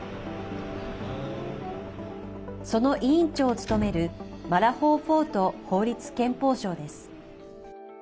その委員長を務めるマラホーフォート法律・憲法相です。